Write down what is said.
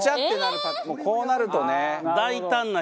こうなるとね。